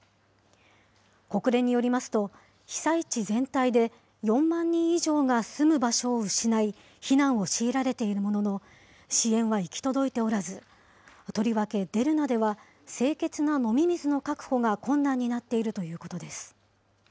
国連によりますと、被災地全体で４万人以上が住む場所を失い、避難を強いられているものの、支援は行き届いておらず、とりわけ、デルナでは、清潔な飲み水の確保が困難になっているということです。